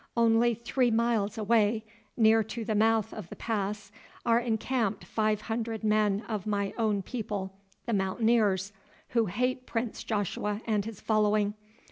Only three miles away, near to the mouth of the pass, are encamped five hundred men of my own people, the Mountaineers, who hate Prince Joshua and his following.